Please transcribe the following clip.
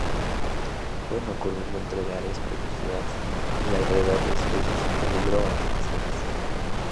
Pueden ocurrir dentro de áreas protegidas, y alrededor de especies en peligro o amenazadas.